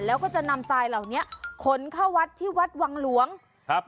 แล้วก็จะนำทรายเหล่านี้ขนเข้าวัดที่วัดวังหลวงครับ